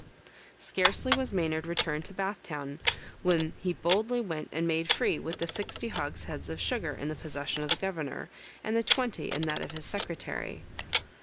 _] Scarcely was Maynard returned to Bath town, when he boldly went and made free with the sixty hogsheads of sugar in the possession of the governor, and the twenty in that of his secretary.